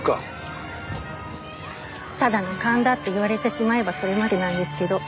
ただの勘だって言われてしまえばそれまでなんですけど。